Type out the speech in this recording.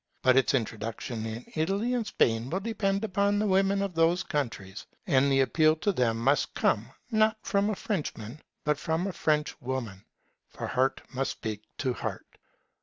But its introduction in Italy and Spain will depend upon the women of those countries; and the appeal to them must come, not from a Frenchman, but from a Frenchwoman; for heart must speak to heart.